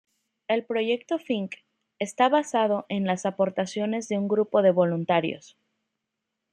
El proyecto Fink está basado en las aportaciones de un grupo de voluntarios.